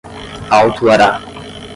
autuará